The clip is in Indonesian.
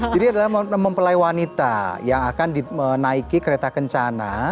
jadi adalah mempelai wanita yang akan menaiki kereta kencana